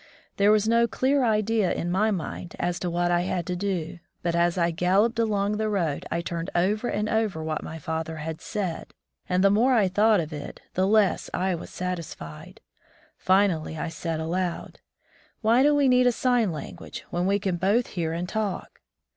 There was no clear idea in my mind as to what I had to do, but as I galloped along the road I turned over and over what my father had said, and the more I thought of it the less I was satisfied. Finally I said aloud: "Why do we need a sign language, when we can both hear and talk?"